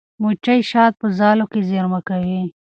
مچۍ شات په ځالو کې زېرمه کوي.